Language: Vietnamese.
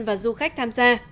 và du khách tham gia